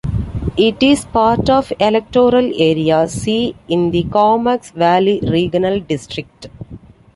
It is part of Electoral Area C in the Comox Valley Regional District.